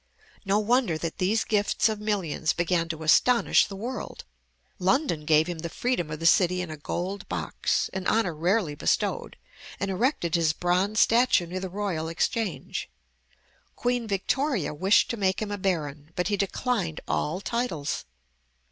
No wonder that these gifts of millions began to astonish the world. London gave him the freedom of the city in a gold box, an honor rarely bestowed, and erected his bronze statue near the Royal Exchange. Queen Victoria wished to make him a baron; but he declined all titles.